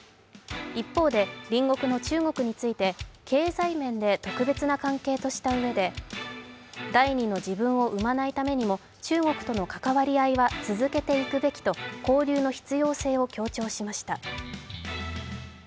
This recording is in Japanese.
一方で隣国の中国について経済面で特別な関係としたうえで第２の自分を生まないためにも中国との関わり合いは続けていくべきと交流の必要性を強調しました。